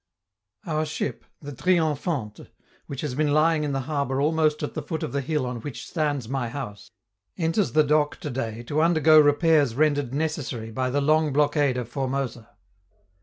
Our ship, the 'Triomphante', which has been lying in the harbor almost at the foot of the hill on which stands my house, enters the dock to day to undergo repairs rendered necessary by the long blockade of Formosa.